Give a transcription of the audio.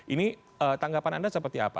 ini tanggapan anda seperti apa